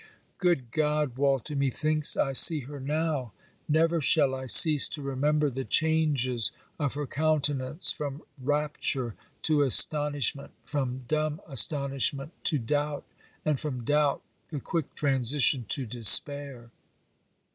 Good God, Walter, methinks I see her now! Never shall I cease to remember the changes of her countenance from rapture to astonishment from dumb astonishment to doubt: and from doubt, the quick transition, to despair!